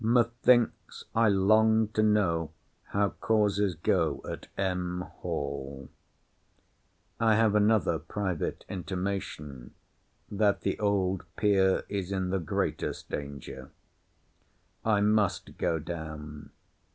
Methinks I long to know how causes go at M. Hall. I have another private intimation, that the old peer is in the greatest danger. I must go down.